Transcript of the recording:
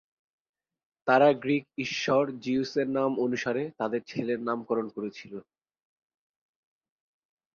তাঁরা গ্রীক ঈশ্বর জিউস-এর নাম অনুসারে তাঁদের ছেলের নামকরণ করেছিল।